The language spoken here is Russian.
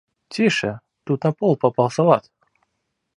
Тише, тут на пол попал салат!